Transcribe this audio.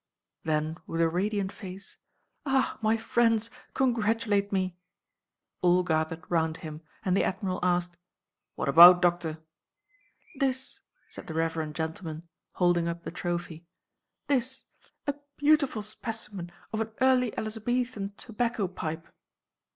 Then, with a radiant face, "Ah, my friends, congratulate me!" All gathered round him, and the Admiral asked, "What about, Doctor?" "This," said the reverend gentleman, holding up the trophy. "This. A beautiful specimen of an early Elizabethan tobacco pipe!"